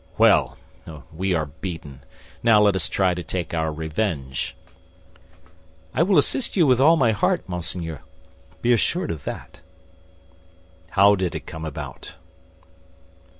"Well, we are beaten! Now let us try to take our revenge." "I will assist you with all my heart, monseigneur; be assured of that." "How did it come about?"